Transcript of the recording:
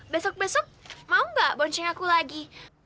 besok besok mau gak bonceng aku lagi